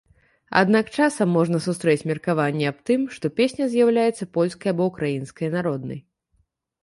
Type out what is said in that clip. Аднак часам можна сустрэць меркаванне аб тым, што песня з'яўляецца польскай або ўкраінскай народнай.